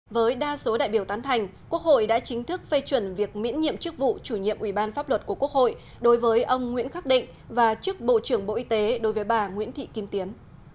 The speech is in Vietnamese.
với đa số đại biểu tán thành quốc hội đã chính thức phê chuẩn việc miễn nhiệm chức vụ chủ nhiệm ủy ban pháp luật của quốc hội đối với ông nguyễn khắc định và chức bộ trưởng bộ y tế đối với bà nguyễn thị kim tiến